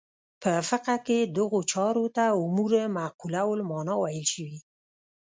په فقه کې دغو چارو ته امور معقوله المعنی ویل شوي.